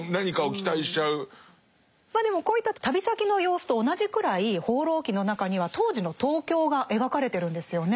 まあでもこういった旅先の様子と同じくらい「放浪記」の中には当時の東京が描かれてるんですよね。